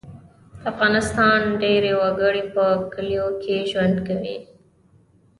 د افغانستان ډیری وګړي په کلیو کې ژوند کوي